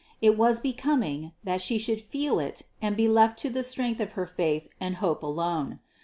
It was becoming, that She should feel it and be left to the strength of her faith and hope alone.